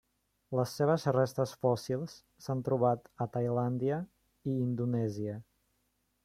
Les seves restes fòssils s'han trobat a Tailàndia i Indonèsia.